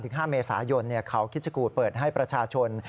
๕เมษายนเขาคิดชะกูเปิดให้ประชาชน